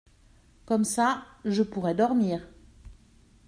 Comme ça, je pourrai dormir !